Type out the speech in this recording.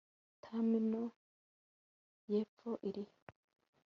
terminal yepfo irihe